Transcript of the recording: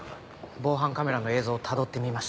防犯カメラの映像をたどってみます。